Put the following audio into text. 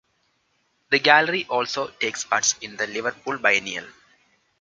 The Gallery also takes part in the Liverpool Biennial.